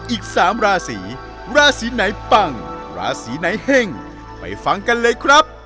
อีก๓ราศีราศีไหนปังราศีไหนเฮ่งไปฟังกันเลยครับ